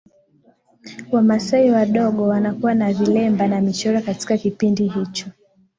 Wamasai wadogo wanakuwa na vilemba na michoro Katika kipindi hicho